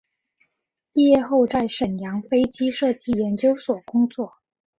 毕业后在沈阳飞机设计研究所工作。